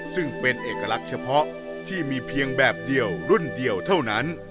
ซึ่งเป็นเอกลักษณ์เฉพาะที่มีเพียงแบบเดียวรุ่นเดียวเท่านั้น